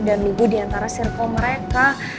dan terklologi di antara koordinator mereka